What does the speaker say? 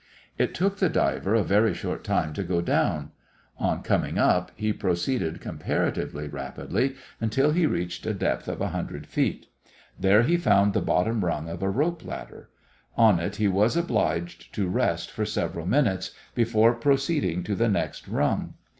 It took the diver a very short time to go down. On coming up he proceeded comparatively rapidly until he reached a depth of 100 feet. There he found the bottom rung of a rope ladder. On it he was obliged to rest for several minutes before proceeding to the next rung.